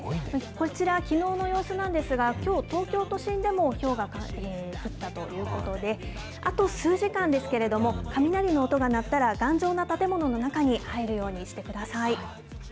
こちら、きのうの様子なんですが、きょう、東京都心でもひょうが降ったということで、あと数時間ですけれども、雷の音が鳴ったら、頑丈な建物の中に入るようにしてください。